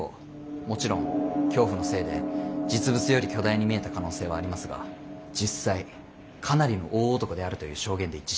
もちろん恐怖のせいで実物より巨大に見えた可能性はありますが実際かなりの大男であるという証言で一致しています。